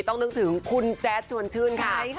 ต้องนึกถึงคุณแจ๊ดชวนชื่นค่ะ